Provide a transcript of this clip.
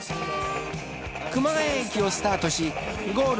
熊谷駅をスタートしゴール